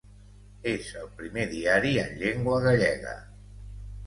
És el primer diari en llengua gallega.